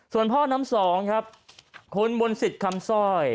ส่วนพ่อน้ำ๒ครับคุณมณศศิษย์คำสร้อย